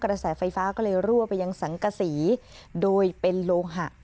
กระแสไฟฟ้าก็เลยรั่วไปยังสังกษีโดยเป็นโลหะ